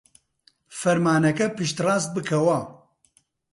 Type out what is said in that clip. فەرمانەکە پشتڕاست بکەوە.